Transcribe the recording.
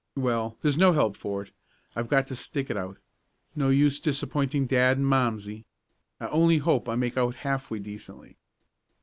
Well, there's no help for it. I've got to stick it out. No use disappointing dad and momsey. I only hope I make out half way decently."